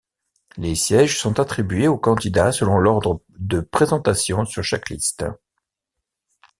Les sièges sont attribués aux candidats selon l'ordre de présentation sur chaque liste.